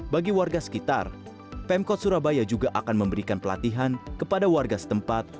bagi warga sekitar pemkot surabaya juga akan memberikan pelatihan kepada warga setempat